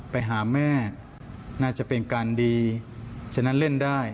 ไปหาแม่น่าจะเป็นการดีฉะนั้นเล่นได้